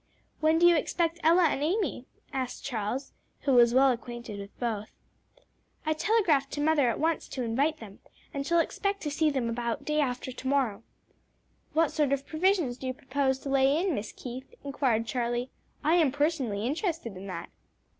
"When do you expect Ella and Amy?" asked Charles, who was well acquainted with both. "I telegraphed to mother at once to invite them, and shall expect to see them about day after to morrow." "What sort of provisions do you propose to lay in, Miss Keith?" inquired Charlie. "I am personally interested in that."